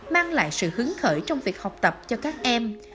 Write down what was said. mang lại sự hứng khởi trong việc học tập cho các em